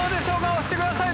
押してください。